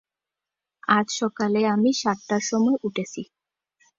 আজ সকালে আমি সাতটার সময় উঠেছি।